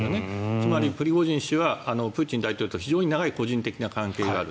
つまりプリゴジン氏はプーチン大統領と非常に長い個人的な関係がある。